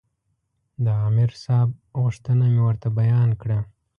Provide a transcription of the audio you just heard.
د عامر صاحب غوښتنه مې ورته بیان کړه.